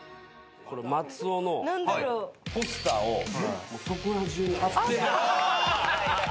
松尾のポスターをそこら中に張って。